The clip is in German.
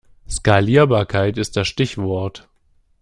Skalierbarkeit ist das Stichwort.